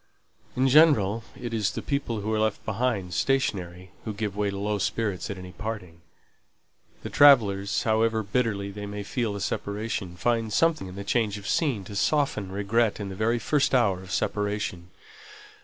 In general, it is the people that are left behind stationary, who give way to low spirits at any parting; the travellers, however bitterly they may feel the separation, find something in the change of scene to soften regret in the very first hour of separation.